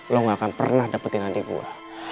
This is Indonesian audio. lu gak akan pernah dapetin adik gua